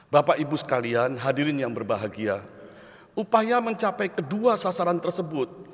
bapak ibu sekalian hadirin yang berbahagia upaya mencapai kedua sasaran tersebut